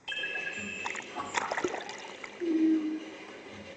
布里基斯是位于美国阿肯色州李县的一个非建制地区。